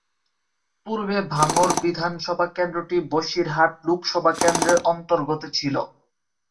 পূর্বে ভাঙড় বিধানসভা কেন্দ্রটি বসিরহাট লোকসভা কেন্দ্রের অন্তর্গত ছিল।